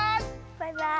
バイバイ。